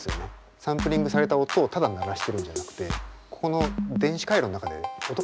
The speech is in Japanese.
サンプリングされた音をただ鳴らしてるんじゃなくてここの電子回路の中で音が鳴っているっていう。